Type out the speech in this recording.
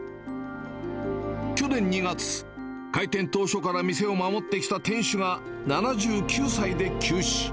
去年２月、開店当初から店を守ってきた店主が７９歳で休止。